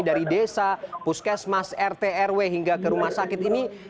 dari desa puskesmas rtrw hingga ke rumah sakit ini